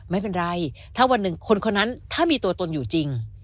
ไม่เป็นไรถ้าวันหนึ่งคนคนนั้นถ้ามีตัวตนอยู่จริง